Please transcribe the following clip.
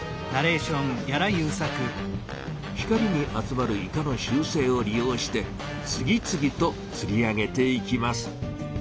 光に集まるイカの習せいを利用してつぎつぎとつり上げていきます。